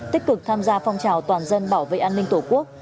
tích cực tham gia phong trào toàn dân bảo vệ an ninh tổ quốc